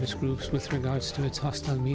dengan mengetahui media yang hostile